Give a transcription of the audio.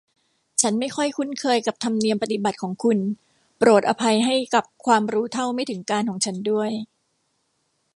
ฉันไม่ค่อยคุ้นเคยกับธรรมเนียมปฏิบัติของคุณ โปรดอภัยให้กับความรู้เท่าไม่ถึงการณ์ของฉันด้วย